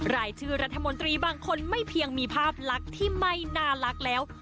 รายชื่อรัฐมนตรีบางคนไม่เพียงมีภาพลักษณ์ที่ไม่น่ารักแล้ว